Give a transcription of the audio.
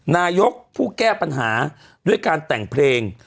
นายกผู้แก้ปัญหาด้วยการแต่งเพลง